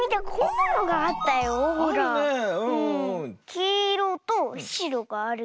きいろとしろがあるけど。